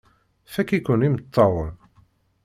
Fakk-iken imeṭṭawen!